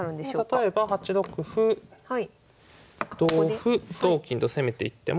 例えば８六歩同歩同金と攻めていっても。